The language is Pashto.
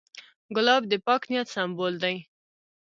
ګلاب د پاک نیت سمبول دی.